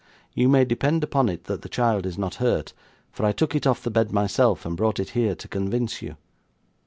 You may depend upon it that the child is not hurt; for I took it off the bed myself, and brought it here to convince you.